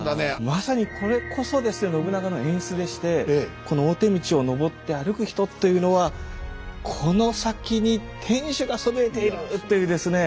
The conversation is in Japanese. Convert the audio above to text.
まさにこれこそ信長の演出でしてこの大手道をのぼって歩く人っていうのはこの先に天主がそびえているというですね